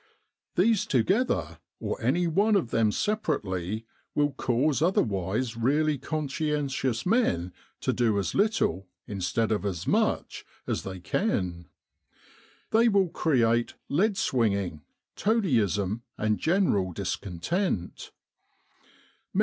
These together, or any one of them separately, will cause otherwise really conscien tious men to do as little, instead of as much as they can. They will create ' lead swinging,' toadyism, and general discontent.